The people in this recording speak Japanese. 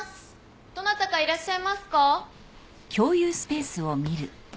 どなたかいらっしゃいますか？